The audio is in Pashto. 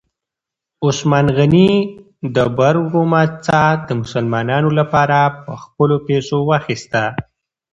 عثمان غني د بئر رومه څاه د مسلمانانو لپاره په خپلو پیسو واخیسته.